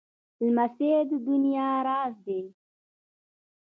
لمسی د نیا راز دی.